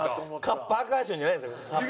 カッパーカッションじゃないんですよ。